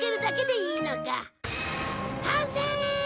完成！